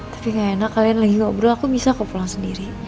tapi kayak enak kalian lagi ngobrol aku bisa kok pulang sendiri